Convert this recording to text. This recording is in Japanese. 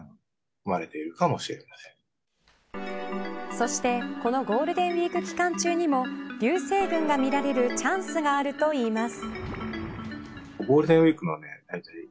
そして、このゴールデンウイーク期間中にも流星群が見られるチャンスがあるといいます。